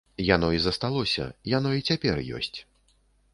Яно і засталося, яно і цяпер ёсць.